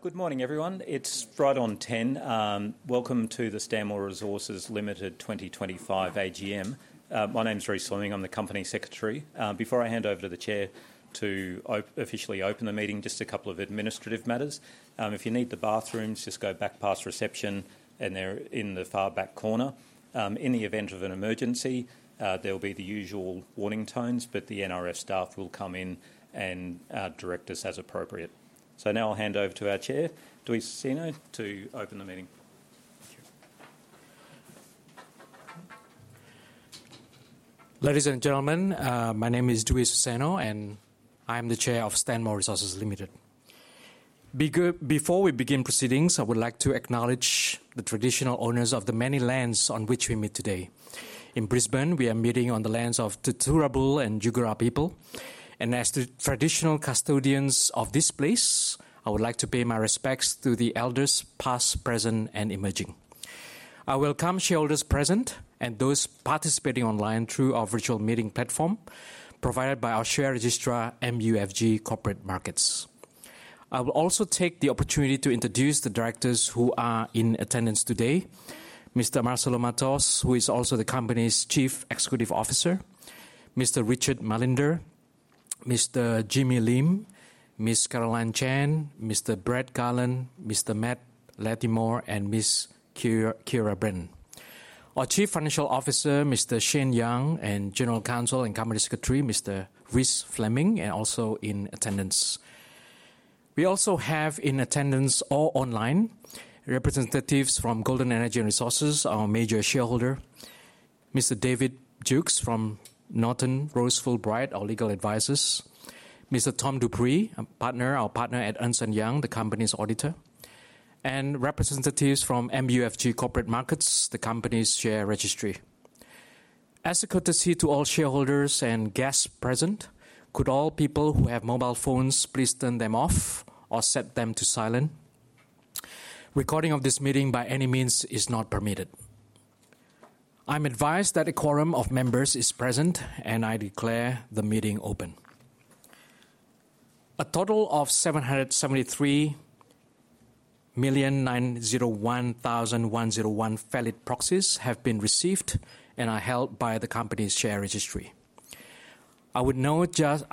Good morning, everyone. It's Friday on Ten. Welcome to the Stanmore Resources Limited 2025 AGM. My name is Rees Fleming. I'm the Company Secretary. Before I hand over to the Chair to officially open the meeting, just a couple of administrative matters. If you need the bathrooms, just go back past reception, and they're in the far back corner. In the event of an emergency, there will be the usual warning tones, but the NRF staff will come in and direct us as appropriate. Now I'll hand over to our Chair, Dwi Sosano, to open the meeting. Ladies and gentlemen, my name is Dwi Sosano, and I am the Chair of Stanmore Resources Limited. Before we begin proceedings, I would like to acknowledge the traditional owners of the many lands on which we meet today. In Brisbane, we are meeting on the lands of the Turrbal and Joogara people, and as the traditional custodians of this place, I would like to pay my respects to the elders past, present, and emerging. I welcome shareholders present and those participating online through our virtual meeting platform provided by our share registrar, MUFG Corporate Markets. I will also take the opportunity to introduce the directors who are in attendance today: Mr. Marcelo Matos, who is also the Company's Chief Executive Officer; Mr. Richard Mallinder; Mr. Jimmy Lim; Ms. Caroline Chan; Mr. Brett Garland; Mr. Matt Latimore; and Ms. Keira Brennan. Our Chief Financial Officer, Mr. Shane Young and General Counsel and Company Secretary, Mr. Rees Fleming, are also in attendance. We also have in attendance, all online, representatives from Golden Energy and Resources, our major shareholder; Mr. David Jukes from Norton Rose Fulbright, our legal advisors; Mr. Tom DuPree, our partner at Ernst & Young, the Company's auditor; and representatives from MUFG Corporate Markets, the Company's share registry. As a courtesy to all shareholders and guests present, could all people who have mobile phones please turn them off or set them to silent? Recording of this meeting by any means is not permitted. I'm advised that a quorum of members is present, and I declare the meeting open. A total of 773,901,101 valid proxies have been received and are held by the Company's share registry. I would now just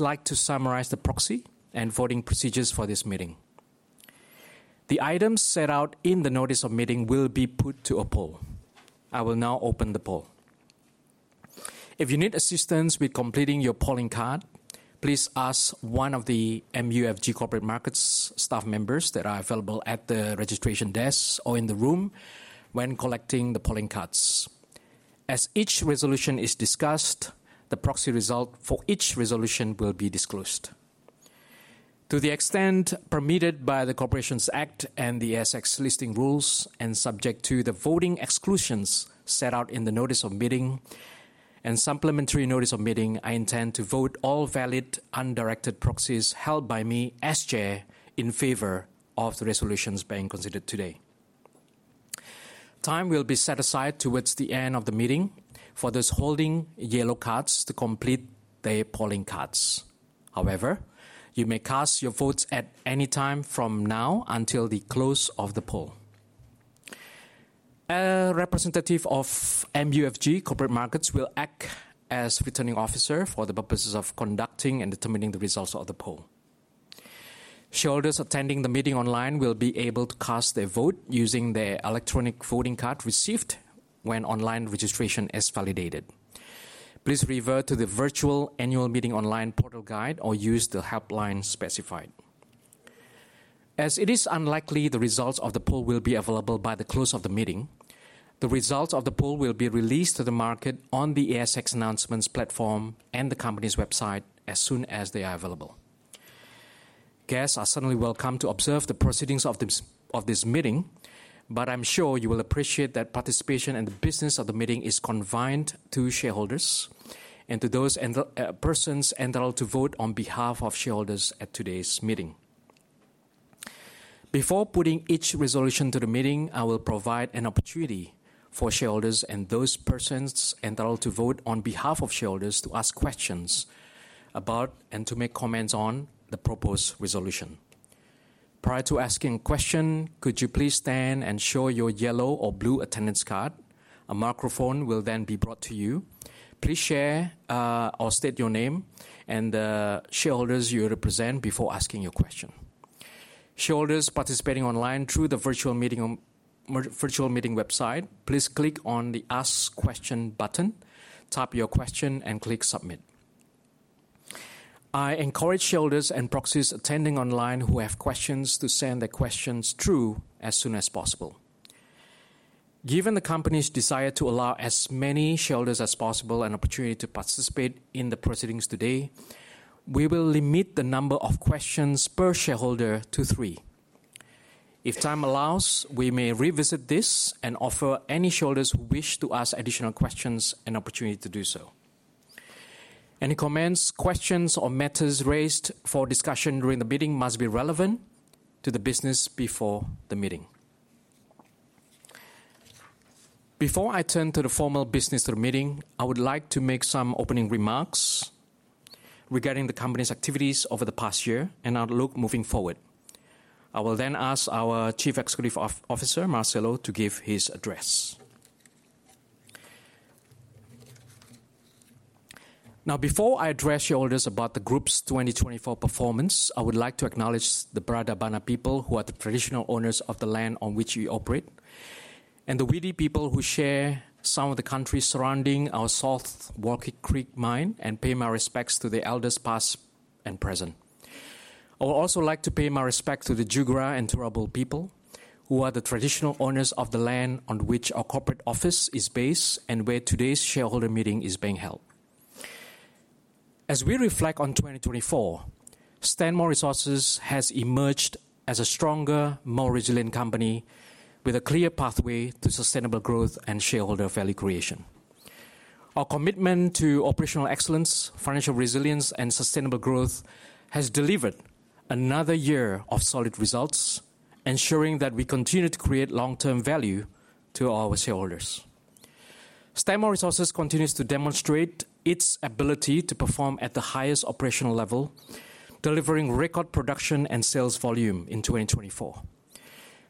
like to summarize the proxy and voting procedures for this meeting. The items set out in the notice of meeting will be put to a poll. I will now open the poll. If you need assistance with completing your polling card, please ask one of the MUFG Corporate Markets staff members that are available at the registration desk or in the room when collecting the polling cards. As each resolution is discussed, the proxy result for each resolution will be disclosed. To the extent permitted by the Corporations Act and the ASX Listing Rules and subject to the voting exclusions set out in the notice of meeting and supplementary notice of meeting, I intend to vote all valid undirected proxies held by me as Chair in favor of the resolutions being considered today. Time will be set aside towards the end of the meeting for those holding yellow cards to complete their polling cards. However, you may cast your votes at any time from now until the close of the poll. A representative of MUFG Corporate Markets will act as Returning Officer for the purposes of conducting and determining the results of the poll. Shareholders attending the meeting online will be able to cast their vote using their electronic voting card received when online registration is validated. Please refer to the virtual annual meeting online portal guide or use the helpline specified. As it is unlikely the results of the poll will be available by the close of the meeting, the results of the poll will be released to the market on the ASX announcements platform and the Company's website as soon as they are available. Guests are certainly welcome to observe the proceedings of this meeting, but I'm sure you will appreciate that participation and the business of the meeting is confined to shareholders and to those persons entitled to vote on behalf of shareholders at today's meeting. Before putting each resolution to the meeting, I will provide an opportunity for shareholders and those persons entitled to vote on behalf of shareholders to ask questions about and to make comments on the proposed resolution. Prior to asking a question, could you please stand and show your yellow or blue attendance card? A microphone will then be brought to you. Please share or state your name and the shareholders you represent before asking your question. Shareholders participating online through the virtual meeting website, please click on the Ask Question button, type your question, and click Submit. I encourage shareholders and proxies attending online who have questions to send their questions through as soon as possible. Given the Company's desire to allow as many shareholders as possible an opportunity to participate in the proceedings today, we will limit the number of questions per shareholder to three. If time allows, we may revisit this and offer any shareholders who wish to ask additional questions an opportunity to do so. Any comments, questions, or matters raised for discussion during the meeting must be relevant to the business before the meeting. Before I turn to the formal business of the meeting, I would like to make some opening remarks regarding the Company's activities over the past year and our look moving forward. I will then ask our Chief Executive Officer, Marcelo, to give his address. Now, before I address shareholders about the Group's 2024 performance, I would like to acknowledge the Barada Barna people who are the traditional owners of the land on which we operate, and the Widi people who share some of the country surrounding our South Walker Creek mine, and pay my respects to the elders past and present. I would also like to pay my respects to the Joogara and Turrbal people who are the traditional owners of the land on which our corporate office is based and where today's shareholder meeting is being held. As we reflect on 2024, Stanmore Resources has emerged as a stronger, more resilient company with a clear pathway to sustainable growth and shareholder value creation. Our commitment to operational excellence, financial resilience, and sustainable growth has delivered another year of solid results, ensuring that we continue to create long-term value to our shareholders. Stanmore Resources continues to demonstrate its ability to perform at the highest operational level, delivering record production and sales volume in 2024.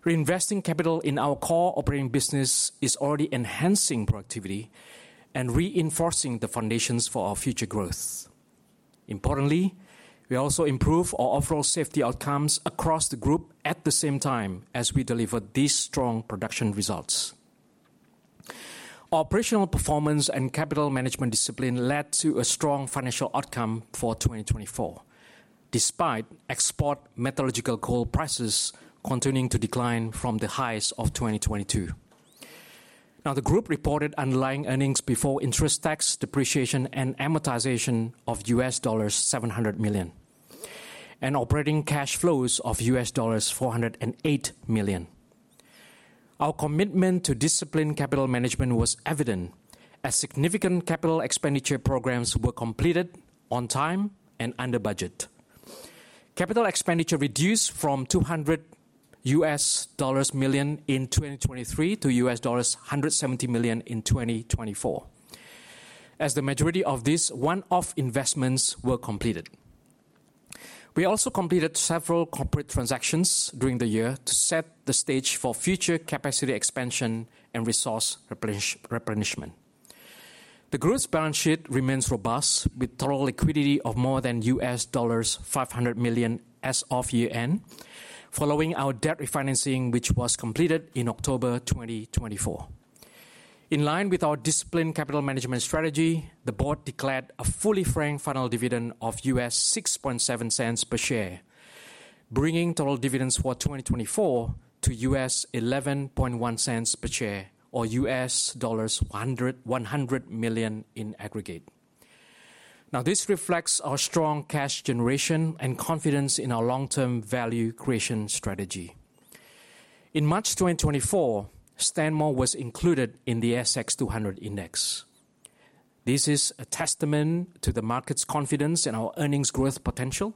Reinvesting capital in our core operating business is already enhancing productivity and reinforcing the foundations for our future growth. Importantly, we also improve our overall safety outcomes across the Group at the same time as we deliver these strong production results. Operational performance and capital management discipline led to a strong financial outcome for 2024, despite export metallurgical coal prices continuing to decline from the highs of 2022. Now, the Group reported underlying earnings before interest, tax, depreciation, and amortization of $700 million, and operating cash flows of $408 million. Our commitment to disciplined capital management was evident as significant capital expenditure programs were completed on time and under budget. Capital expenditure reduced from $200 million in 2023 to $170 million in 2024, as the majority of these one-off investments were completed. We also completed several corporate transactions during the year to set the stage for future capacity expansion and resource replenishment. The Group's balance sheet remains robust, with total liquidity of more than $500 million as of year-end, following our debt refinancing, which was completed in October 2024. In line with our disciplined capital management strategy, the Board declared a fully franked final dividend of $0.067 per share, bringing total dividends for 2024 to $0.111 per share, or $100 million in aggregate. Now, this reflects our strong cash generation and confidence in our long-term value creation strategy. In March 2024, Stanmore was included in the ASX 200 Index. This is a testament to the market's confidence in our earnings growth potential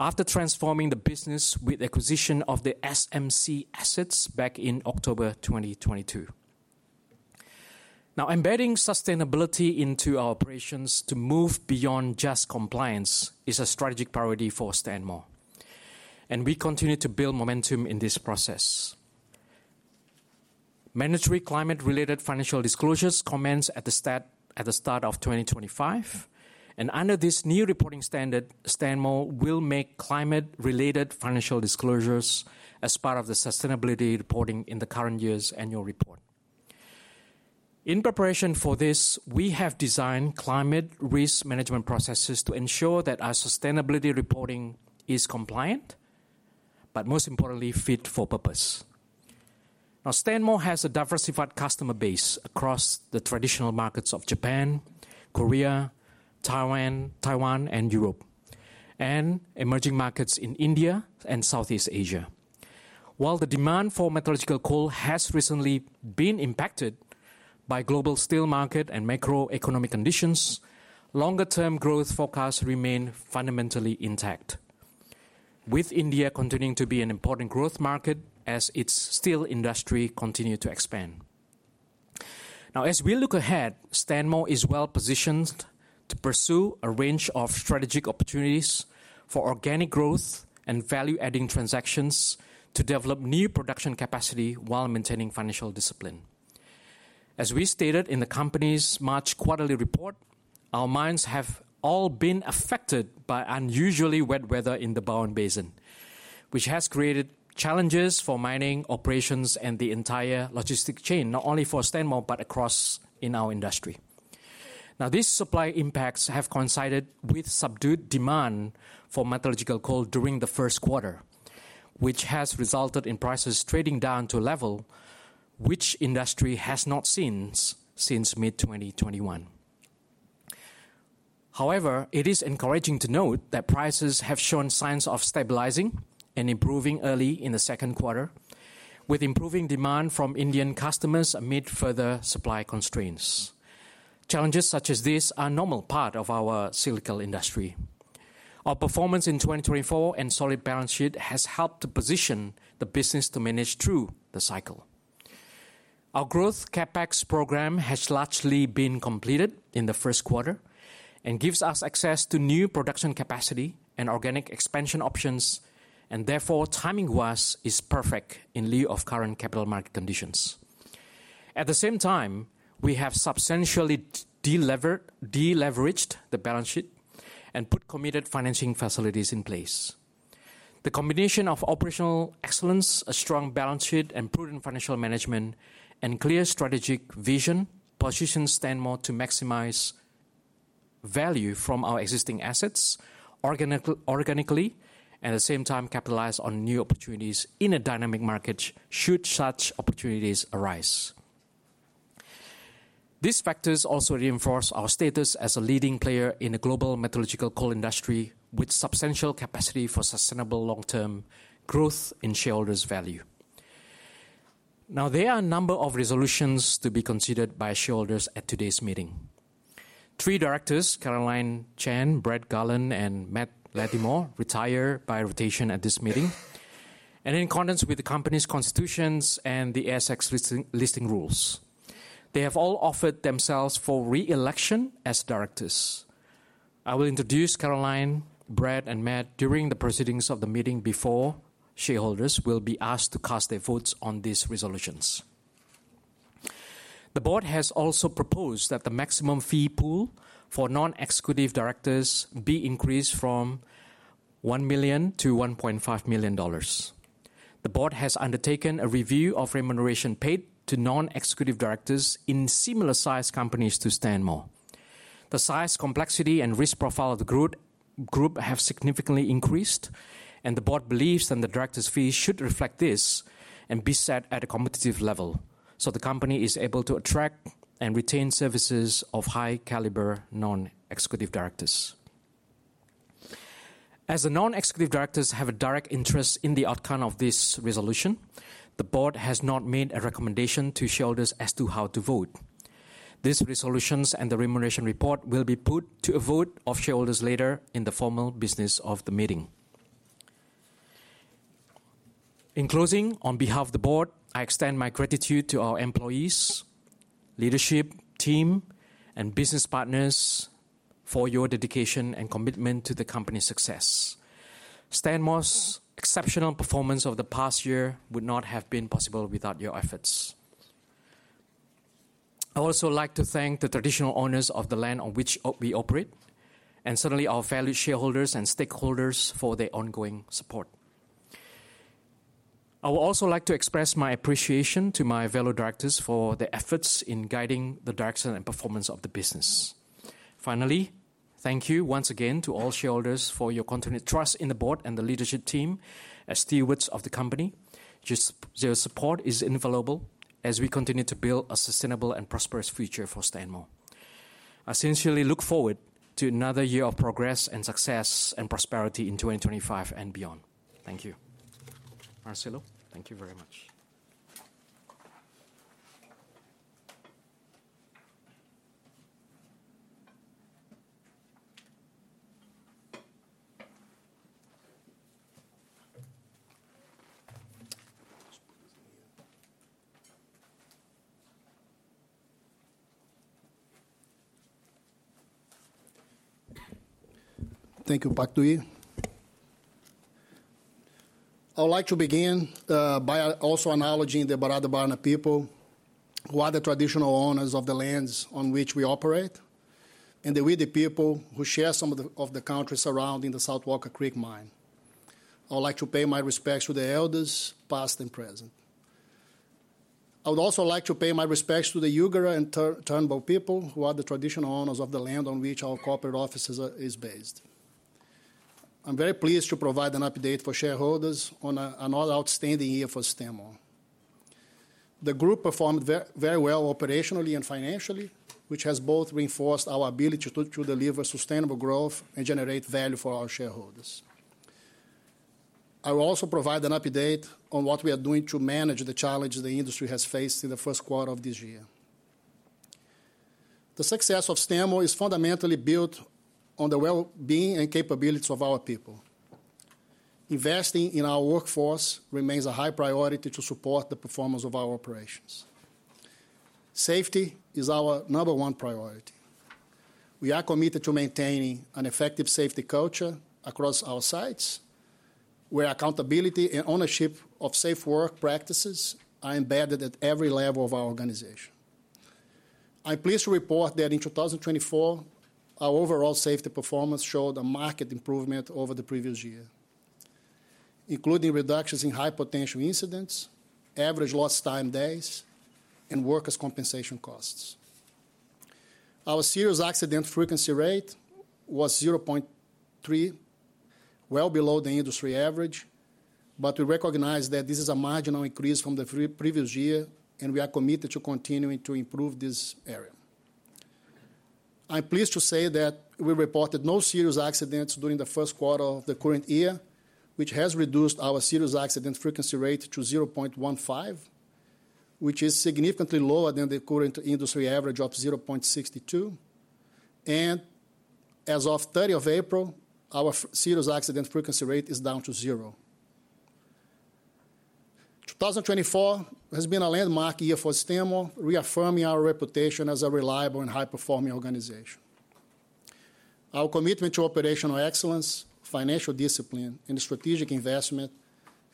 after transforming the business with the acquisition of the SMC Assets back in October 2022. Now, embedding sustainability into our operations to move beyond just compliance is a strategic priority for Stanmore, and we continue to build momentum in this process. Mandatory climate-related financial disclosures commence at the start of 2025, and under this new reporting standard, Stanmore will make climate-related financial disclosures as part of the sustainability reporting in the current year's annual report. In preparation for this, we have designed climate risk management processes to ensure that our sustainability reporting is compliant, but most importantly, fit for purpose. Now, Stanmore has a diversified customer base across the traditional markets of Japan, Korea, Taiwan, and Europe, and emerging markets in India and Southeast Asia. While the demand for metallurgical coal has recently been impacted by global steel market and macroeconomic conditions, longer-term growth forecasts remain fundamentally intact, with India continuing to be an important growth market as its steel industry continues to expand. Now, as we look ahead, Stanmore is well positioned to pursue a range of strategic opportunities for organic growth and value-adding transactions to develop new production capacity while maintaining financial discipline. As we stated in the Company's March quarterly report, our mines have all been affected by unusually wet weather in the Bowen Basin, which has created challenges for mining operations and the entire logistics chain, not only for Stanmore but across our industry. Now, these supply impacts have coincided with subdued demand for metallurgical coal during the first quarter, which has resulted in prices trading down to a level which industry has not seen since mid-2021. However, it is encouraging to note that prices have shown signs of stabilizing and improving early in the second quarter, with improving demand from Indian customers amid further supply constraints. Challenges such as these are a normal part of our coal mining industry. Our performance in 2024 and solid balance sheet has helped to position the business to manage through the cycle. Our growth CapEx program has largely been completed in the first quarter and gives us access to new production capacity and organic expansion options, and therefore, timing-wise, is perfect in lieu of current capital market conditions. At the same time, we have substantially deleveraged the balance sheet and put committed financing facilities in place. The combination of operational excellence, a strong balance sheet, and prudent financial management, and clear strategic vision positions Stanmore to maximize value from our existing assets organically and at the same time capitalize on new opportunities in a dynamic market should such opportunities arise. These factors also reinforce our status as a leading player in the global metallurgical coal industry with substantial capacity for sustainable long-term growth in shareholders' value. Now, there are a number of resolutions to be considered by shareholders at today's meeting. Three directors, Caroline Chan, Brett Garland, and Matt Latimore, retired by rotation at this meeting, and in accordance with the Company's constitutions and the ASX Listing Rules, they have all offered themselves for re-election as directors. I will introduce Caroline, Brad, and Matt during the proceedings of the meeting before shareholders will be asked to cast their votes on these resolutions. The Board has also proposed that the maximum fee pool for non-executive directors be increased from $1 million to $1.5 million. The Board has undertaken a review of remuneration paid to non-executive directors in similar-sized companies to Stanmore. The size, complexity, and risk profile of the Group have significantly increased, and the Board believes that the director's fee should reflect this and be set at a competitive level so the Company is able to attract and retain services of high-caliber non-executive directors. As the non-executive directors have a direct interest in the outcome of this resolution, the Board has not made a recommendation to shareholders as to how to vote. These resolutions and the remuneration report will be put to a vote of shareholders later in the formal business of the meeting. In closing, on behalf of the Board, I extend my gratitude to our employees, leadership, team, and business partners for your dedication and commitment to the Company's success. Stanmore's exceptional performance of the past year would not have been possible without your efforts. I would also like to thank the traditional owners of the land on which we operate, and certainly our valued shareholders and stakeholders for their ongoing support. I would also like to express my appreciation to my fellow directors for their efforts in guiding the direction and performance of the business. Finally, thank you once again to all shareholders for your continued trust in the Board and the leadership team as stewards of the Company. Your support is invaluable as we continue to build a sustainable and prosperous future for Stanmore. I sincerely look forward to another year of progress and success and prosperity in 2025 and beyond. Thank you. Marcelo, thank you very much. Thank you. Back to you. I would like to begin by also acknowledging the Barada Barna people who are the traditional owners of the lands on which we operate, and the Widi people who share some of the country surrounding the South Walker Creek mine. I would like to pay my respects to the elders past and present. I would also like to pay my respects to the Joogara and Turrbal people who are the traditional owners of the land on which our corporate office is based. I'm very pleased to provide an update for shareholders on another outstanding year for Stanmore. The Group performed very well operationally and financially, which has both reinforced our ability to deliver sustainable growth and generate value for our shareholders. I will also provide an update on what we are doing to manage the challenges the industry has faced in the first quarter of this year. The success of Stanmore is fundamentally built on the well-being and capabilities of our people. Investing in our workforce remains a high priority to support the performance of our operations. Safety is our number one priority. We are committed to maintaining an effective safety culture across our sites, where accountability and ownership of safe work practices are embedded at every level of our organization. I'm pleased to report that in 2024, our overall safety performance showed a marked improvement over the previous year, including reductions in high-potential incidents, average lost time days, and workers' compensation costs. Our serious accident frequency rate was 0.3, well below the industry average, but we recognize that this is a marginal increase from the previous year, and we are committed to continuing to improve this area. I'm pleased to say that we reported no serious accidents during the first quarter of the current year, which has reduced our serious accident frequency rate to 0.15, which is significantly lower than the current industry average of 0.62. As of 30 April, our serious accident frequency rate is down to zero. 2024 has been a landmark year for Stanmore, reaffirming our reputation as a reliable and high-performing organization. Our commitment to operational excellence, financial discipline, and strategic investment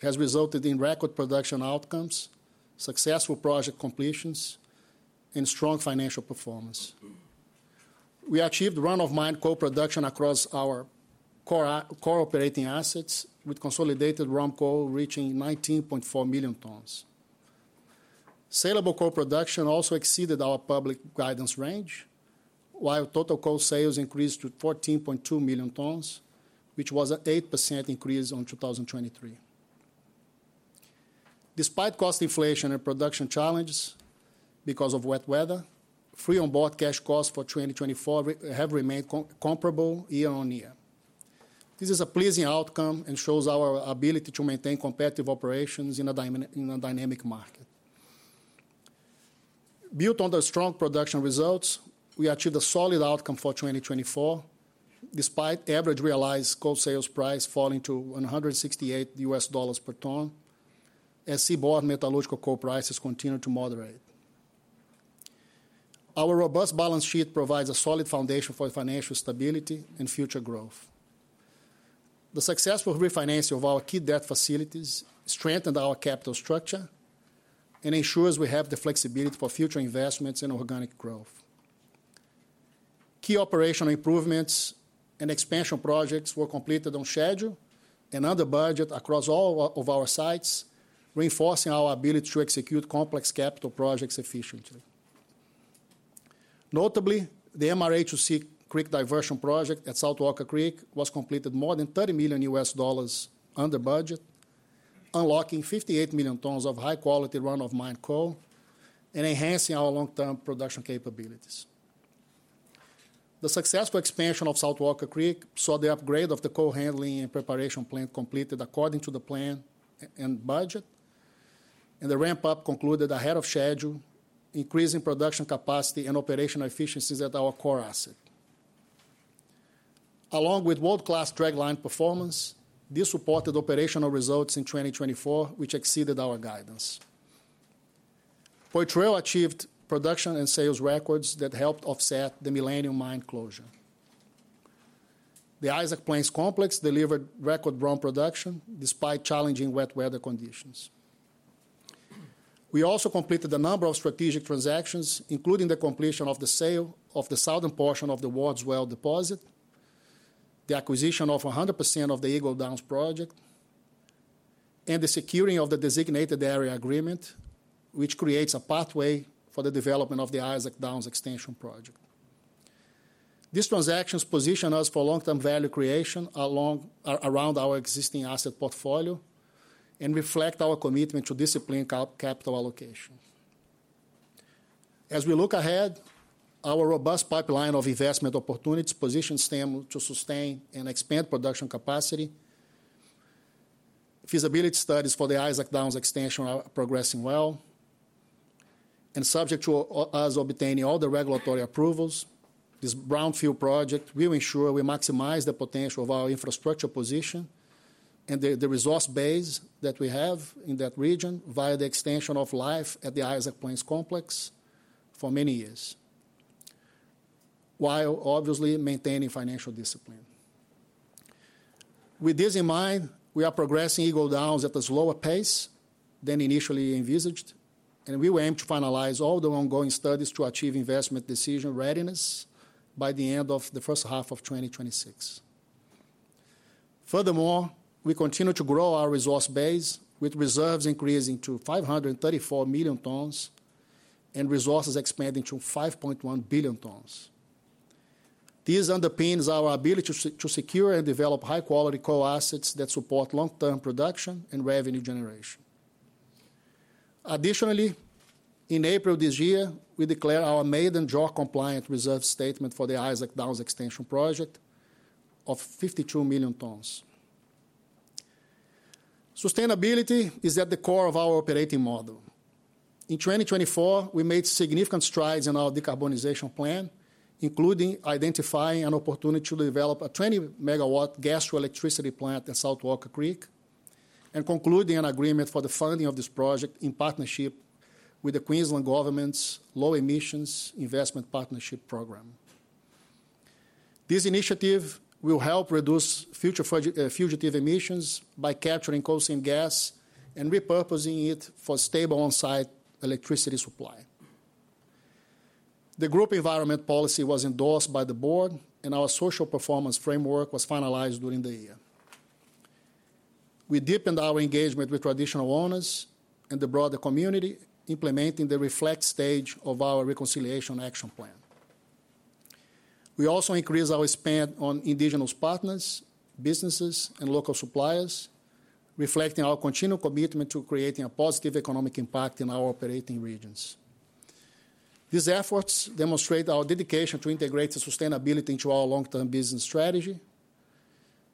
has resulted in record production outcomes, successful project completions, and strong financial performance. We achieved run-of-mine coal production across our cooperating assets, with consolidated run-of-mine coal reaching 19.4 million tons. Saleable coal production also exceeded our public guidance range, while total coal sales increased to 14.2 million tons, which was an 8% increase in 2023. Despite cost inflation and production challenges because of wet weather, free-on-board cash costs for 2024 have remained comparable year on year. This is a pleasing outcome and shows our ability to maintain competitive operations in a dynamic market. Built on the strong production results, we achieved a solid outcome for 2024, despite average realized coal sales price falling to $168 per ton, as seaborne metallurgical coal prices continue to moderate. Our robust balance sheet provides a solid foundation for financial stability and future growth. The successful refinancing of our key debt facilities strengthened our capital structure and ensures we have the flexibility for future investments and organic growth. Key operational improvements and expansion projects were completed on schedule and under budget across all of our sites, reinforcing our ability to execute complex capital projects efficiently. Notably, the MRA2C Creek Diversion Project at South Walker Creek was completed more than $30 million under budget, unlocking 58 million tons of high-quality run-of-mine coal and enhancing our long-term production capabilities. The successful expansion of South Walker Creek saw the upgrade of the coal handling and preparation plant completed according to the plan and budget, and the ramp-up concluded ahead of schedule, increasing production capacity and operational efficiencies at our core asset. Along with world-class track line performance, this supported operational results in 2024, which exceeded our guidance. Poitras achieved production and sales records that helped offset the Millennium Mine closure. The Isaac Plains Complex delivered record run-of-mine production despite challenging wet weather conditions. We also completed a number of strategic transactions, including the completion of the sale of the southern portion of the Wards Well Deposit, the acquisition of 100% of the Eagle Downs project, and the securing of the designated area agreement, which creates a pathway for the development of the Isaac Downs Extension Project. These transactions position us for long-term value creation around our existing asset portfolio and reflect our commitment to disciplined capital allocation. As we look ahead, our robust pipeline of investment opportunities positions Stanmore to sustain and expand production capacity. Feasibility studies for the Isaac Downs Extension are progressing well, and subject to us obtaining all the regulatory approvals, this brownfield project will ensure we maximize the potential of our infrastructure position and the resource base that we have in that region via the extension of life at the Isaac Plains Complex for many years, while obviously maintaining financial discipline. With this in mind, we are progressing Eagle Downs at a slower pace than initially envisaged, and we will aim to finalize all the ongoing studies to achieve investment decision readiness by the end of the first half of 2026. Furthermore, we continue to grow our resource base, with reserves increasing to 534 million tons and resources expanding to 5.1 billion tons. This underpins our ability to secure and develop high-quality coal assets that support long-term production and revenue generation. Additionally, in April this year, we declared our Made in JORC compliant reserve statement for the Isaac Downs Extension Project of 52 million tons. Sustainability is at the core of our operating model. In 2024, we made significant strides in our decarbonization plan, including identifying an opportunity to develop a 20-megawatt gas-to-electricity plant at South Walker Creek and concluding an agreement for the funding of this project in partnership with the Queensland Government's Low Emissions Investment Partnership Program. This initiative will help reduce future fugitive emissions by capturing coal seam gas and repurposing it for stable on-site electricity supply. The Group Environment Policy was endorsed by the Board, and our social performance framework was finalized during the year. We deepened our engagement with traditional owners and the broader community, implementing the Reflect stage of our reconciliation action plan. We also increased our spend on Indigenous partners, businesses, and local suppliers, reflecting our continued commitment to creating a positive economic impact in our operating regions. These efforts demonstrate our dedication to integrate sustainability into our long-term business strategy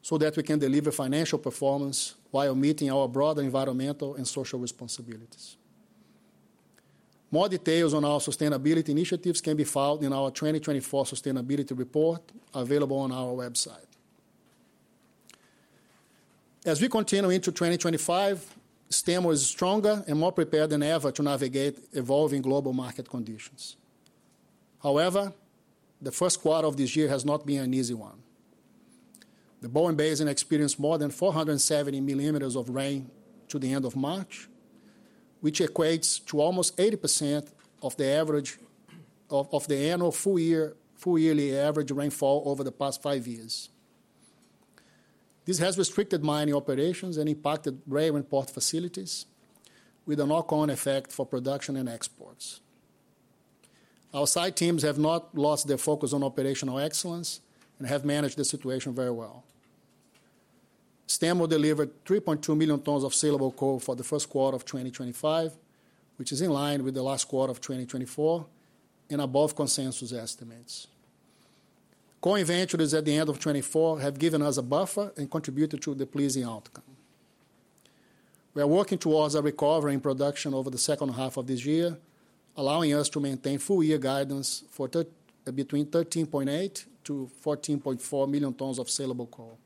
so that we can deliver financial performance while meeting our broader environmental and social responsibilities. More details on our sustainability initiatives can be found in our 2024 Sustainability Report, available on our website. As we continue into 2025, Stanmore is stronger and more prepared than ever to navigate evolving global market conditions. However, the first quarter of this year has not been an easy one. The Bowen Basin experienced more than 470 mm of rain to the end of March, which equates to almost 80% of the average of the annual full-yearly average rainfall over the past five years. This has restricted mining operations and impacted rail and port facilities, with a knock-on effect for production and exports. Our site teams have not lost their focus on operational excellence and have managed the situation very well. Stanmore delivered 3.2 million tons of saleable coal for the first quarter of 2025, which is in line with the last quarter of 2024 and above consensus estimates. Coal inventories at the end of 2024 have given us a buffer and contributed to the pleasing outcome. We are working towards a recovery in production over the second half of this year, allowing us to maintain full-year guidance for between 13.8-14.4 million tons of saleable coal.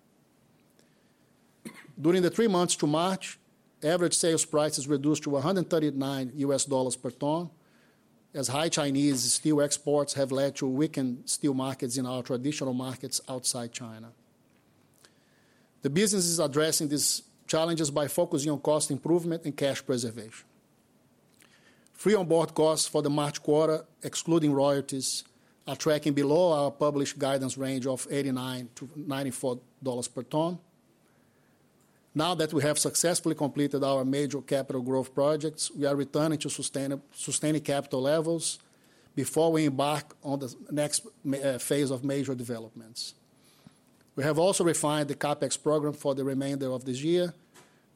During the three months to March, average sales prices reduced to $139 per ton, as high Chinese steel exports have led to weakened steel markets in our traditional markets outside China. The business is addressing these challenges by focusing on cost improvement and cash preservation. Free-on-board costs for the March quarter, excluding royalties, are tracking below our published guidance range of $89-$94 per ton. Now that we have successfully completed our major capital growth projects, we are returning to sustaining capital levels before we embark on the next phase of major developments. We have also refined the CapEx program for the remainder of this year,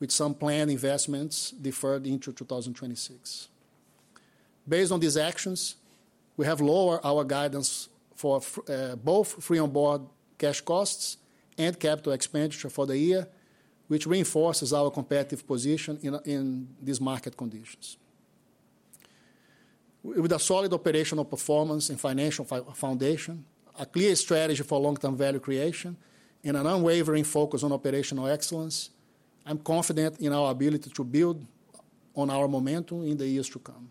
with some planned investments deferred into 2026. Based on these actions, we have lowered our guidance for both free-on-board cash costs and capital expenditure for the year, which reinforces our competitive position in these market conditions. With a solid operational performance and financial foundation, a clear strategy for long-term value creation, and an unwavering focus on operational excellence, I'm confident in our ability to build on our momentum in the years to come.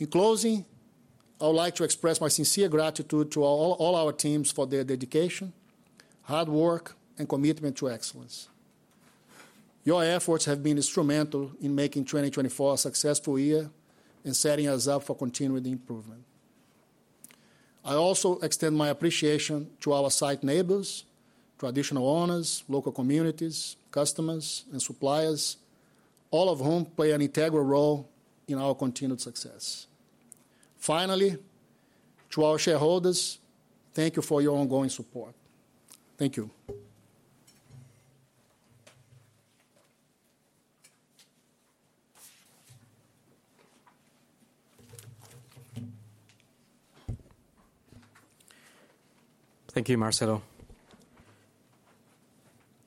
In closing, I would like to express my sincere gratitude to all our teams for their dedication, hard work, and commitment to excellence. Your efforts have been instrumental in making 2024 a successful year and setting us up for continued improvement. I also extend my appreciation to our site neighbors, traditional owners, local communities, customers, and suppliers, all of whom play an integral role in our continued success. Finally, to our shareholders, thank you for your ongoing support. Thank you. Thank you, Marcelo.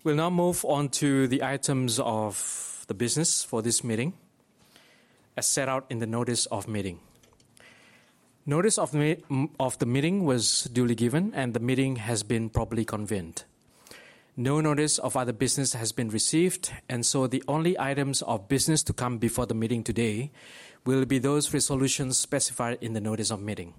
We'll now move on to the items of the business for this meeting, as set out in the notice of meeting. Notice of the meeting was duly given, and the meeting has been properly convened. No notice of other business has been received, and so the only items of business to come before the meeting today will be those resolutions specified in the notice of meeting.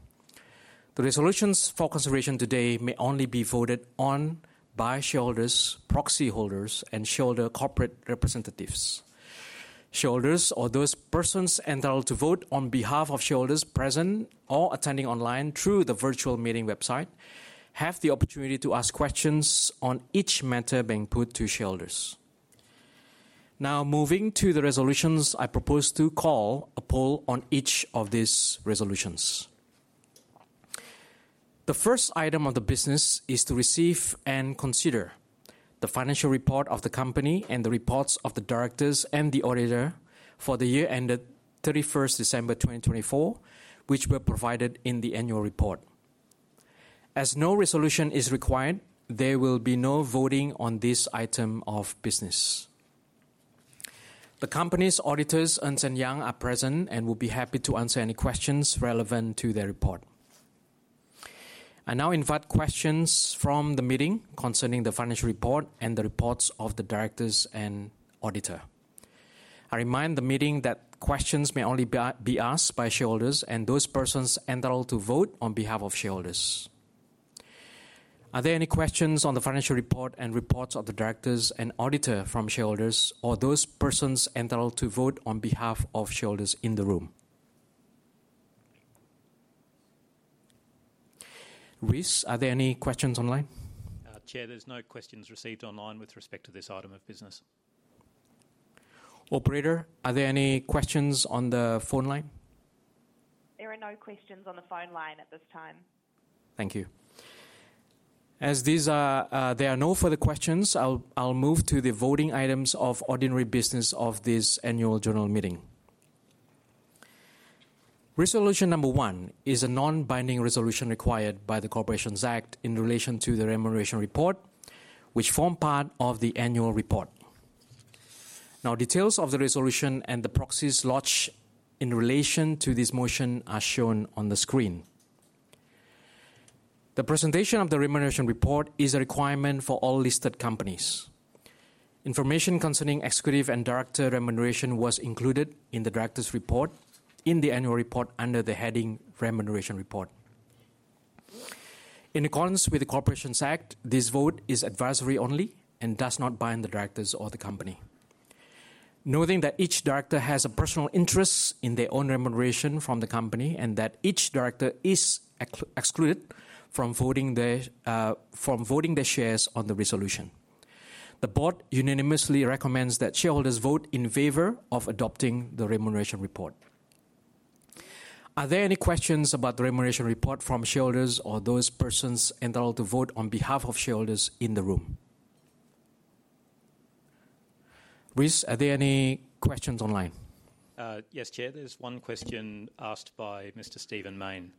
The resolutions for consideration today may only be voted on by shareholders, proxy holders, and shareholder corporate representatives. Shareholders, or those persons entitled to vote on behalf of shareholders present or attending online through the virtual meeting website, have the opportunity to ask questions on each matter being put to shareholders. Now, moving to the resolutions, I propose to call a poll on each of these resolutions. The first item of the business is to receive and consider the financial report of the company and the reports of the directors and the auditor for the year ended 31 December 2024, which were provided in the annual report. As no resolution is required, there will be no voting on this item of business. The company's auditors, Ernst & Young, are present and will be happy to answer any questions relevant to their report. I now invite questions from the meeting concerning the financial report and the reports of the directors and auditor. I remind the meeting that questions may only be asked by shareholders and those persons entitled to vote on behalf of shareholders. Are there any questions on the financial report and reports of the directors and auditor from shareholders or those persons entitled to vote on behalf of shareholders in the room? Rees, are there any questions online? Chair, there's no questions received online with respect to this item of business. Operator, are there any questions on the phone line? There are no questions on the phone line at this time. Thank you. As there are no further questions, I'll move to the voting items of ordinary business of this annual general meeting. Resolution number one is a non-binding resolution required by the Corporations Act in relation to the remuneration report, which forms part of the annual report. Now, details of the resolution and the proxies lodged in relation to this motion are shown on the screen. The presentation of the remuneration report is a requirement for all listed companies. Information concerning executive and director remuneration was included in the directors' report in the annual report under the heading remuneration report. In accordance with the Corporations Act, this vote is advisory only and does not bind the directors or the company. Noting that each director has a personal interest in their own remuneration from the company and that each director is excluded from voting their shares on the resolution, the board unanimously recommends that shareholders vote in favor of adopting the remuneration report. Are there any questions about the remuneration report from shareholders or those persons entitled to vote on behalf of shareholders in the room? Rees, are there any questions online? Yes, Chair, there's one question asked by Mr. Stephen Maine.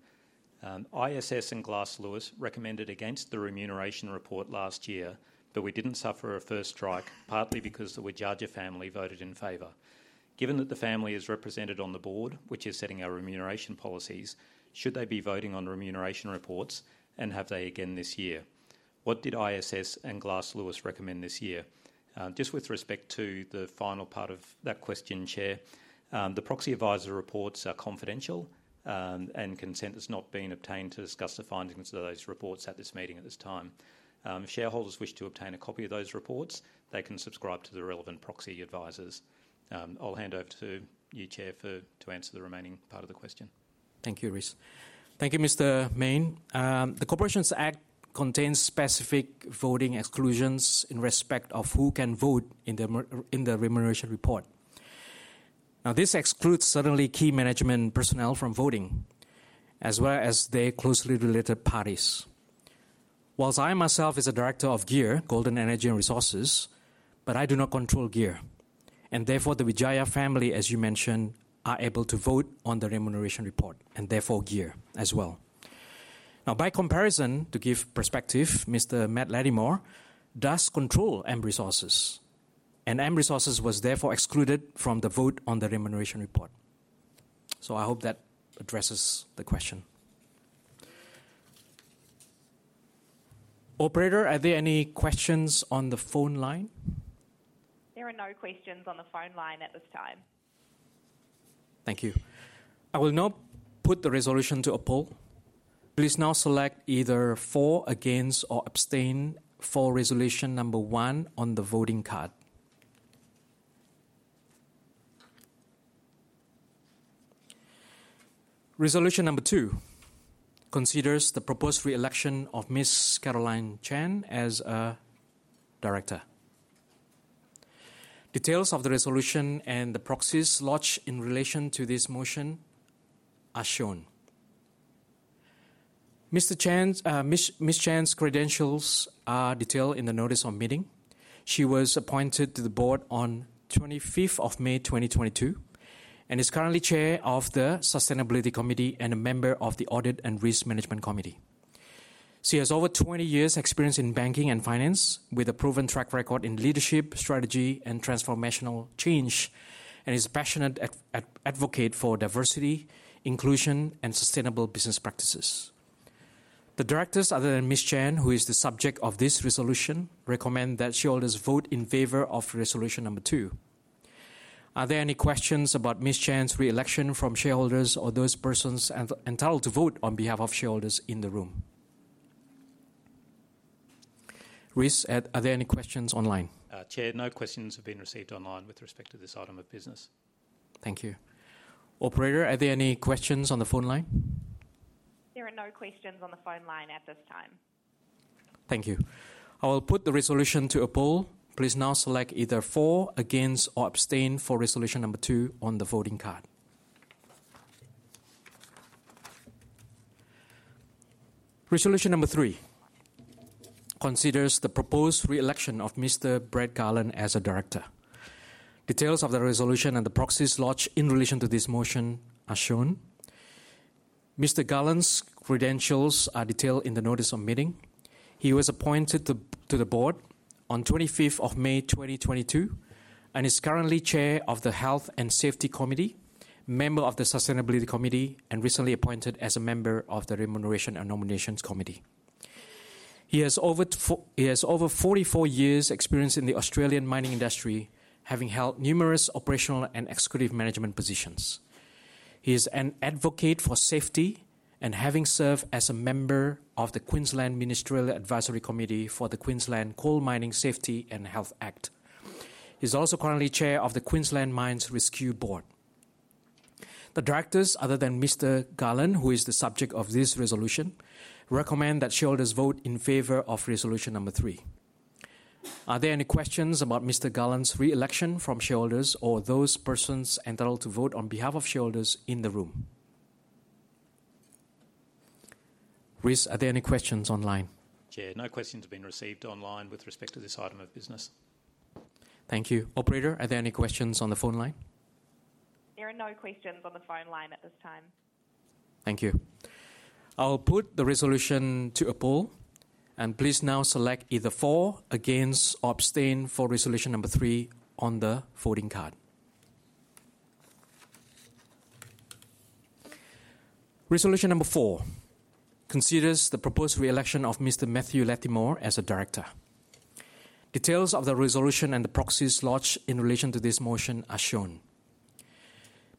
ISS and Glass Lewis recommended against the remuneration report last year, but we didn't suffer a first strike, partly because the Widjaja family voted in favor. Given that the family is represented on the board, which is setting our remuneration policies, should they be voting on remuneration reports, and have they again this year? What did ISS and Glass Lewis recommend this year? Just with respect to the final part of that question, Chair, the proxy advisor reports are confidential, and consent has not been obtained to discuss the findings of those reports at this meeting at this time. Shareholders wish to obtain a copy of those reports. They can subscribe to the relevant proxy advisors. I'll hand over to you, Chair, to answer the remaining part of the question. Thank you, Rees. Thank you, Mr. Maine. The Corporations Act contains specific voting exclusions in respect of who can vote in the remuneration report. Now, this excludes certainly key management personnel from voting, as well as their closely related parties. Whilst I myself am a director of Golden Energy and Resources, but I do not control Golden Energy and Resources. Therefore, the Widjaja family, as you mentioned, are able to vote on the remuneration report, and therefore Golden Energy and Resources as well. Now, by comparison, to give perspective, Mr. Matt Latimore does control AMR Resources, and AMR Resources was therefore excluded from the vote on the remuneration report. I hope that addresses the question. Operator, are there any questions on the phone line? There are no questions on the phone line at this time. Thank you. I will now put the resolution to a poll. Please now select either for, against, or abstain for resolution number one on the voting card. Resolution number two considers the proposed reelection of Ms. Caroline Chan as a director. Details of the resolution and the proxies lodged in relation to this motion are shown. Ms. Chan's credentials are detailed in the notice of meeting. She was appointed to the board on 25 May 2022 and is currently Chair of the Sustainability Committee and a member of the Audit and Risk Management Committee. She has over 20 years' experience in banking and finance with a proven track record in leadership, strategy, and transformational change, and is a passionate advocate for diversity, inclusion, and sustainable business practices. The directors, other than Ms. Chan, who is the subject of this resolution, recommend that shareholders vote in favor of resolution number two. Are there any questions about Ms. Chan's reelection from shareholders or those persons entitled to vote on behalf of shareholders in the room? Rees, are there any questions online? Chair, no questions have been received online with respect to this item of business. Thank you. Operator, are there any questions on the phone line? There are no questions on the phone line at this time. Thank you. I will put the resolution to a poll. Please now select either for, against, or abstain for resolution number two on the voting card. Resolution number three considers the proposed reelection of Mr. Brett Garland as a director. Details of the resolution and the proxies lodged in relation to this motion are shown. Mr. Garland's credentials are detailed in the notice of meeting. He was appointed to the board on 25 May 2022 and is currently Chair of the Health and Safety Committee, member of the Sustainability Committee, and recently appointed as a member of the Remuneration and Nominations Committee. He has over 44 years' experience in the Australian mining industry, having held numerous operational and executive management positions. He is an advocate for safety and having served as a member of the Queensland Ministerial Advisory Committee for the Queensland Coal Mining Safety and Health Act. He is also currently Chair of the Queensland Mines Rescue Board. The directors, other than Mr. Garland, who is the subject of this resolution, recommend that shareholders vote in favor of resolution number three. Are there any questions about Mr. Garland's reelection from shareholders or those persons entitled to vote on behalf of shareholders in the room? Rees, are there any questions online? Chair, no questions have been received online with respect to this item of business. Thank you. Operator, are there any questions on the phone line? There are no questions on the phone line at this time. Thank you. I'll put the resolution to a poll. Please now select either for, against, or abstain for resolution number three on the voting card. Resolution number four considers the proposed reelection of Mr. Matthew Latimore as a director. Details of the resolution and the proxies lodged in relation to this motion are shown.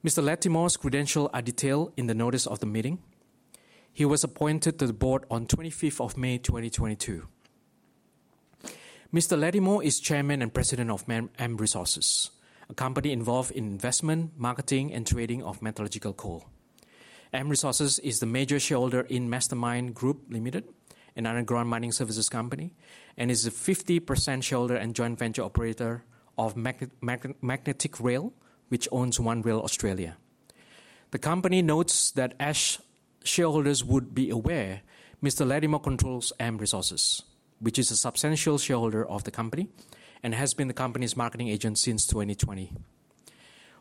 Mr. Latimore's credentials are detailed in the notice of the meeting. He was appointed to the board on 25 May 2022. Mr. Latimore is chairman and president of AMR Resources, a company involved in investment, marketing, and trading of metallurgical coal. AMR Resources is the major shareholder in Mastermyne Group Limited, an underground mining services company, and is a 50% shareholder and joint venture operator of Magnetic Rail, which owns One Rail Australia. The company notes that as shareholders would be aware, Mr. Latimore controls AMR Resources, which is a substantial shareholder of the company and has been the company's marketing agent since 2020.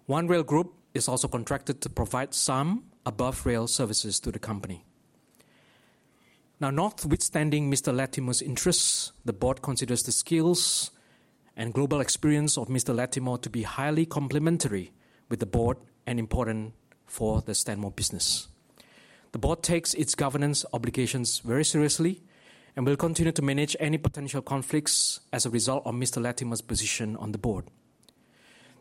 One Rail Group is also contracted to provide some above-rail services to the company. Now, notwithstanding Mr. Latimore's interests, the board considers the skills and global experience of Mr. Latimore to be highly complementary with the board and important for the Stanmore business. The board takes its governance obligations very seriously and will continue to manage any potential conflicts as a result of Mr. Latimore's position on the board.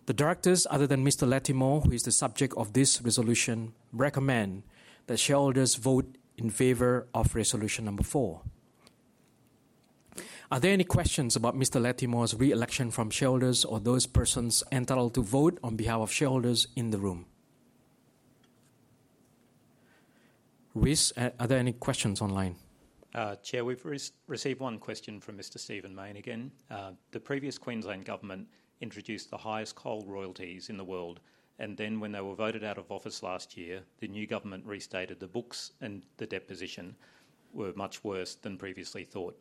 The directors, other than Mr. Latimore, who is the subject of this resolution, recommend that shareholders vote in favor of resolution number four. Are there any questions about Mr. Latimore's reelection from shareholders or those persons entitled to vote on behalf of shareholders in the room? Rees, are there any questions online? Chair, we've received one question from Mr. Stephen Maine again. The previous Queensland government introduced the highest coal royalties in the world, and then when they were voted out of office last year, the new government restated the books and the deposition were much worse than previously thought.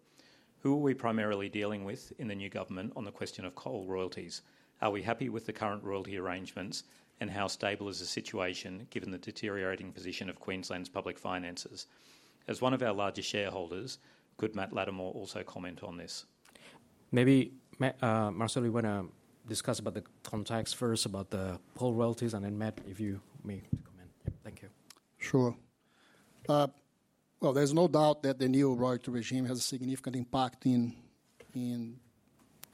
Who are we primarily dealing with in the new government on the question of coal royalties? Are we happy with the current royalty arrangements, and how stable is the situation given the deteriorating position of Queensland's public finances? As one of our larger shareholders, could Matt Latimore also comment on this? Maybe Marcelo, we want to discuss about the context first, about the coal royalties, and then Matt, if you may comment. Thank you. Sure. There is no doubt that the new royalty regime has a significant impact in,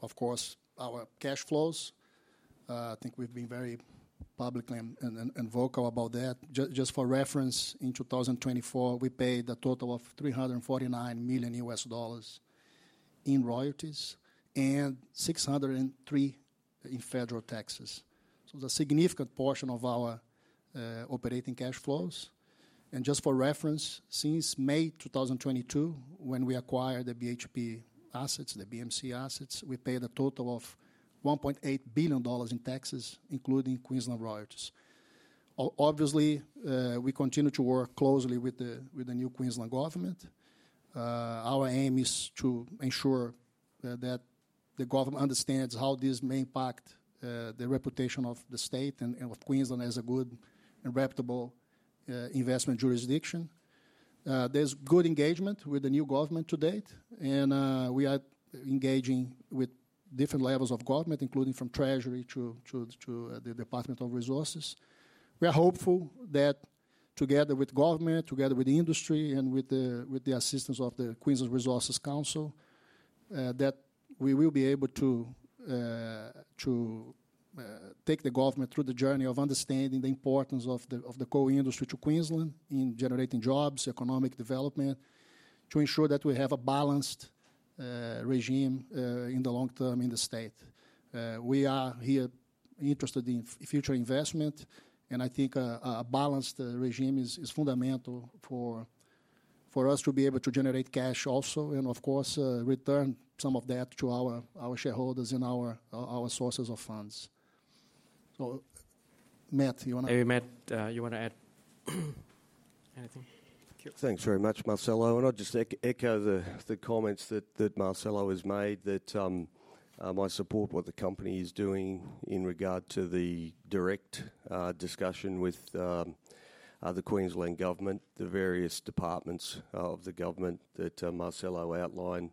of course, our cash flows. I think we have been very public and vocal about that. Just for reference, in 2024, we paid a total of $349 million in royalties and $603 million in federal taxes. It is a significant portion of our operating cash flows. Just for reference, since May 2022, when we acquired the BHP assets, the BMC assets, we paid a total of $1.8 billion in taxes, including Queensland royalties. Obviously, we continue to work closely with the new Queensland government. Our aim is to ensure that the government understands how this may impact the reputation of the state and of Queensland as a good and reputable investment jurisdiction. There's good engagement with the new government to date, and we are engaging with different levels of government, including from Treasury to the Department of Resources. We are hopeful that together with government, together with industry, and with the assistance of the Queensland Resources Council, that we will be able to take the government through the journey of understanding the importance of the coal industry to Queensland in generating jobs, economic development, to ensure that we have a balanced regime in the long term in the state. We are here interested in future investment, and I think a balanced regime is fundamental for us to be able to generate cash also, and of course, return some of that to our shareholders and our sources of funds. Matt, Hey, Matt, you want to add anything? Thanks very much, Marcelo. I want to just echo the comments that Marcelo has made, that my support with the company is doing in regard to the direct discussion with the Queensland government, the various departments of the government that Marcelo outlined,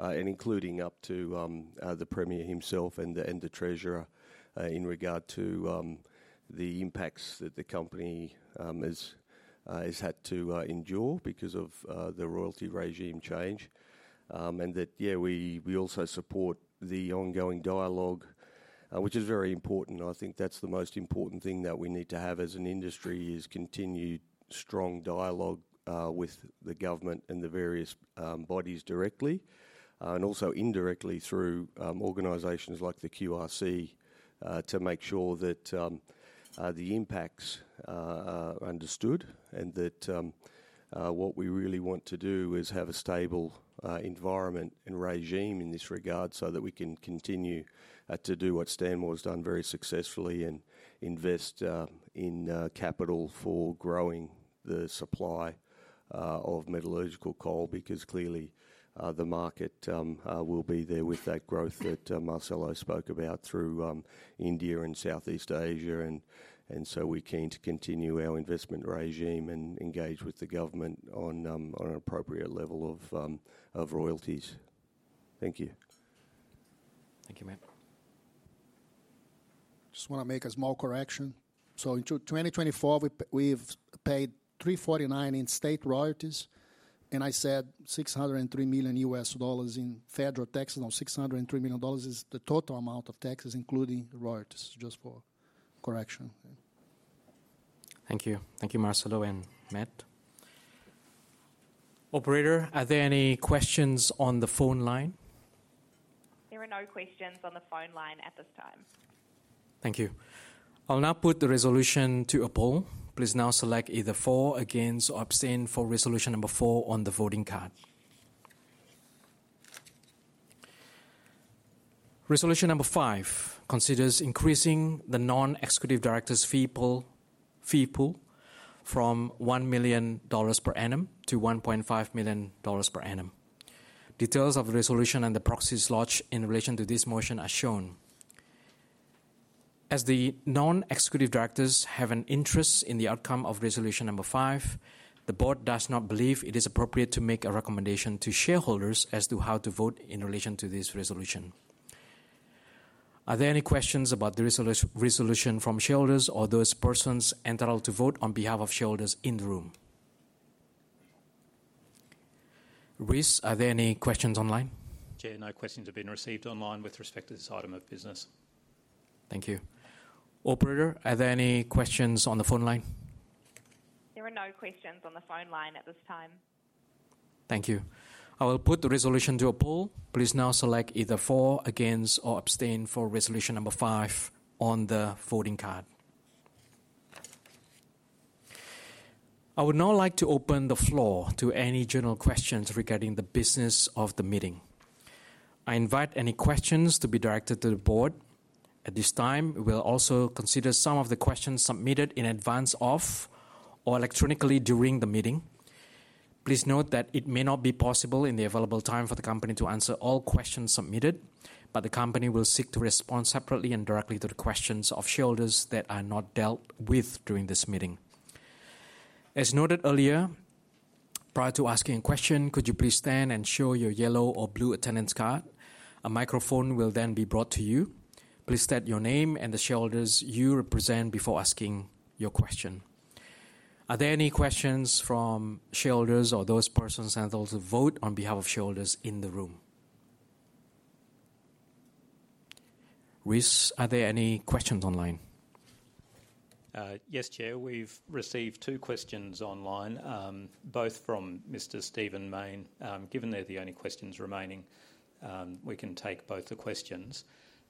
including up to the Premier himself and the Treasurer in regard to the impacts that the company has had to endure because of the royalty regime change. Yeah, we also support the ongoing dialogue, which is very important. I think that's the most important thing that we need to have as an industry is continued strong dialogue with the government and the various bodies directly, and also indirectly through organizations like the QRC to make sure that the impacts are understood and that what we really want to do is have a stable environment and regime in this regard so that we can continue to do what Stanmore has done very successfully and invest in capital for growing the supply of metallurgical coal because clearly the market will be there with that growth that Marcelo spoke about through India and Southeast Asia. We are keen to continue our investment regime and engage with the government on an appropriate level of royalties. Thank you. Thank you, Matt. Just want to make a small correction. In 2024, we've paid $349 million in state royalties, and I said $603 million in federal taxes. Now, $603 million is the total amount of taxes, including royalties, just for correction. Thank you. Thank you, Marcelo and Matt. Operator, are there any questions on the phone line? There are no questions on the phone line at this time. Thank you. I'll now put the resolution to a poll. Please now select either for, against, or abstain for resolution number four on the voting card. Resolution number five considers increasing the non-executive directors' fee pool from $1 million per annum to $1.5 million per annum. Details of the resolution and the proxies lodged in relation to this motion are shown. As the non-executive directors have an interest in the outcome of resolution number five, the board does not believe it is appropriate to make a recommendation to shareholders as to how to vote in relation to this resolution. Are there any questions about the resolution from shareholders or those persons entitled to vote on behalf of shareholders in the room? Rees, are there any questions online? Chair, no questions have been received online with respect to this item of business. Thank you. Operator, are there any questions on the phone line? There are no questions on the phone line at this time. Thank you. I will put the resolution to a poll. Please now select either for, against, or abstain for resolution number five on the voting card. I would now like to open the floor to any general questions regarding the business of the meeting. I invite any questions to be directed to the board. At this time, we will also consider some of the questions submitted in advance of or electronically during the meeting. Please note that it may not be possible in the available time for the company to answer all questions submitted, but the company will seek to respond separately and directly to the questions of shareholders that are not dealt with during this meeting. As noted earlier, prior to asking a question, could you please stand and show your yellow or blue attendance card? A microphone will then be brought to you. Please state your name and the shareholders you represent before asking your question. Are there any questions from shareholders or those persons entitled to vote on behalf of shareholders in the room? Rees, are there any questions online? Yes, Chair, we have received two questions online, both from Mr. Stephen Maine they're the only questions remaining, we can take both the questions.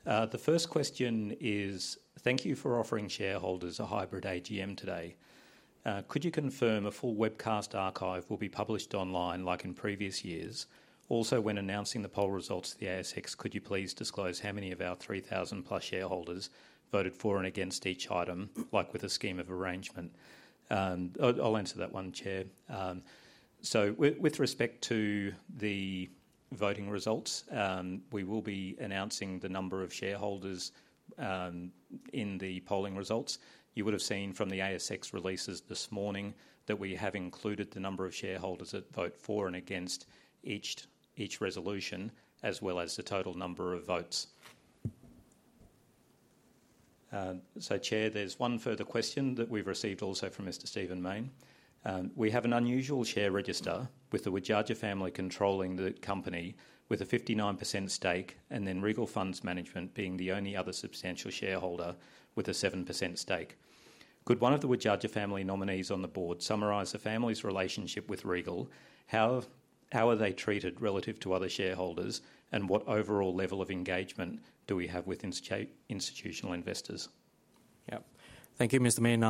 The first question is, thank you for offering shareholders a hybrid AGM today. Could you confirm a full webcast archive will be published online like in previous years? Also, when announcing the poll results to the ASX, could you please disclose how many of our 3,000-plus shareholders voted for and against each item, like with a scheme of arrangement? I'll answer that one, Chair. With respect to the voting results, we will be announcing the number of shareholders in the polling results. You would have seen from the ASX releases this morning that we have included the number of shareholders that vote for and against each resolution, as well as the total number of votes. Chair, there's one further question that we've received also from Mr. Stephen Maine. We have an unusual share register with the Widjaja family controlling the company with a 59% stake, and then Regal Funds Management being the only other substantial shareholder with a 7% stake. Could one of the Widjaja family nominees on the board summarize the family's relationship with Regal? How are they treated relative to other shareholders, and what overall level of engagement do we have with institutional investors? Yeah. Thank you, Mr. Maine.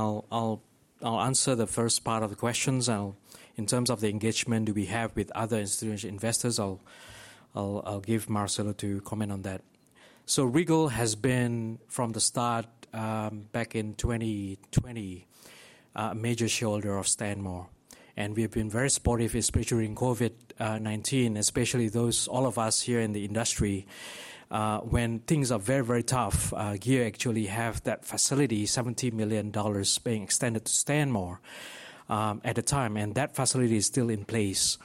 I'll answer the first part of the questions. In terms of the engagement we have with other institutional investors, I'll give Marcelo to comment on that. So Regal has been, from the start, back in 2020, a major shareholder of Stanmore. And we have been very supportive, especially during COVID-19, especially all of us here in the industry. When things are very, very tough, Gear actually had that facility, $70 million being extended to Stanmore at the time, and that facility is still in place.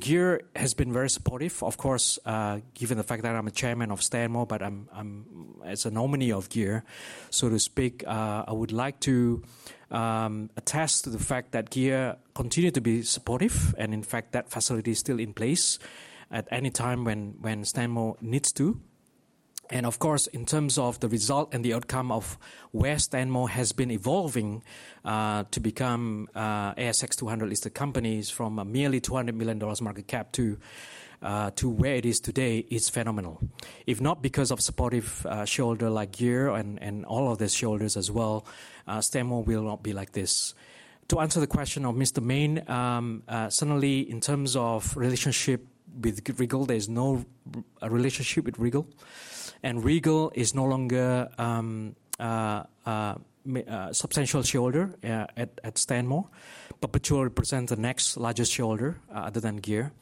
Gear has been very supportive, of course, given the fact that I'm a Chairman of Stanmore, but as a nominee of Gear, so to speak, I would like to attest to the fact that Gear continues to be supportive, and in fact, that facility is still in place at any time when Stanmore needs to. Of course, in terms of the result and the outcome of where Stanmore has been evolving to become ASX 200-listed companies from a merely $200 million market cap to where it is today, it's phenomenal. If not because of supportive shareholders like Gear and all of the shareholders as well, Stanmore will not be like this. To answer the question of Mr. Maine, certainly in terms of relationship with Regal, there is no relationship with Regal. Regal is no longer a substantial shareholder at Stanmore. Perpetual represents the next largest shareholder other than Gear.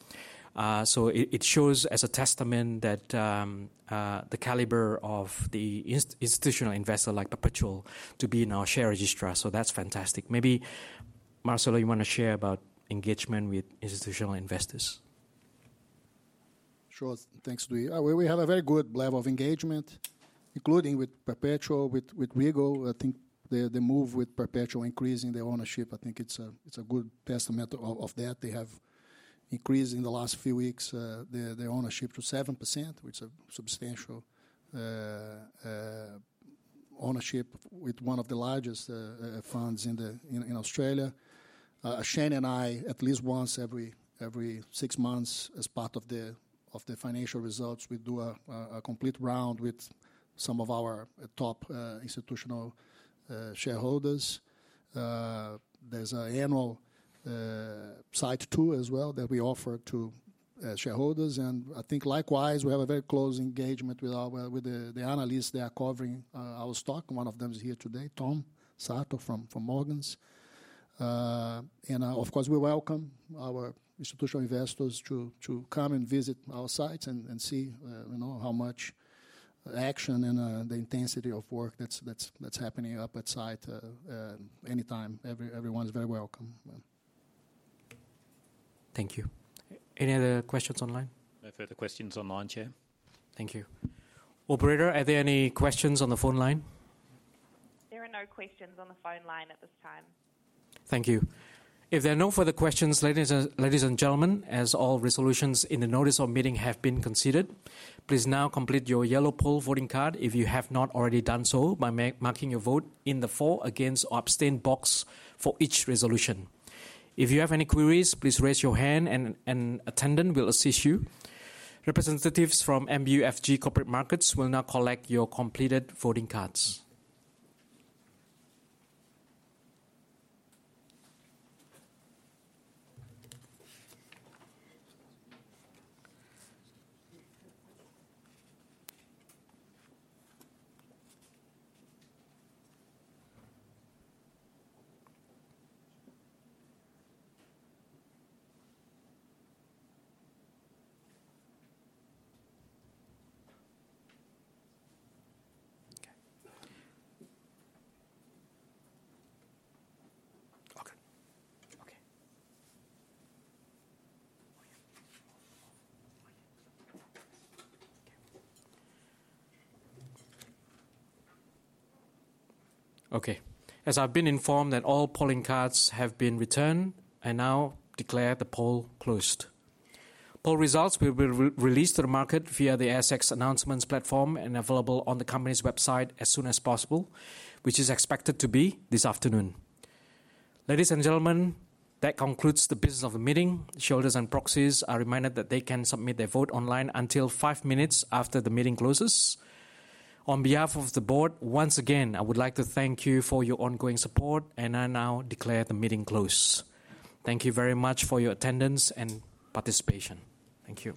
It shows as a testament that the caliber of the institutional investor like Perpetual to be in our share register. That's fantastic. Maybe Marcelo, you want to share about engagement with institutional investors? Sure. Thanks to you. We have a very good level of engagement, including with Perpetual, with Regal. I think the move with Perpetual increasing their ownership, I think it's a good testament of that. They have increased in the last few weeks their ownership to 7%, which is a substantial ownership with one of the largest funds in Australia. Shane and I, at least once every six months, as part of the financial results, we do a complete round with some of our top institutional shareholders. There is an annual site tour as well that we offer to shareholders. I think likewise, we have a very close engagement with the analysts that are covering our stock. One of them is here today, Tom Sato from Morgans. Of course, we welcome our institutional investors to come and visit our sites and see how much action and the intensity of work that is happening up at site anytime. Everyone is very welcome. Thank you. Any other questions online? No further questions online, Chair. Thank you. Operator, are there any questions on the phone line? There are no questions on the phone line at this time. Thank you. If there are no further questions, ladies and gentlemen, as all resolutions in the notice of meeting have been considered, please now complete your yellow poll voting card if you have not already done so by marking your vote in the for, against, or abstain box for each resolution. If you have any queries, please raise your hand and an attendant will assist you. Representatives from MUFG Corporate Markets will now collect your completed voting cards. Okay. As I've been informed, all polling cards have been returned and now declare the poll closed. Poll results will be released to the market via the ASX announcements platform and available on the company's website as soon as possible, which is expected to be this afternoon. Ladies and gentlemen, that concludes the business of the meeting. Shareholders and proxies are reminded that they can submit their vote online until five minutes after the meeting closes. On behalf of the board, once again, I would like to thank you for your ongoing support and I now declare the meeting closed. Thank you very much for your attendance and participation. Thank you.